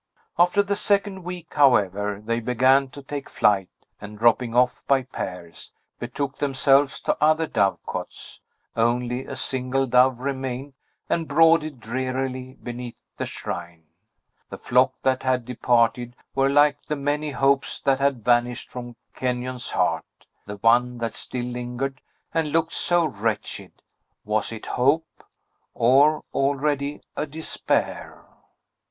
After the second week, however, they began to take flight, and dropping off by pairs, betook themselves to other dove cotes. Only a single dove remained, and brooded drearily beneath the shrine. The flock that had departed were like the many hopes that had vanished from Kenyon's heart; the one that still lingered, and looked so wretched, was it a Hope, or already a Despair?